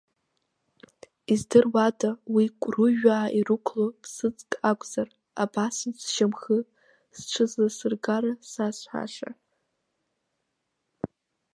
Издыруада уи кәрыжәаа ирықәло ԥсыӡк акәзар, абасынтә сшьамхы сҽызласыргара сазҳәаша.